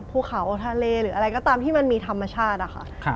ภูเขาทะเลหรืออะไรก็ตามที่มันมีธรรมชาติอะค่ะ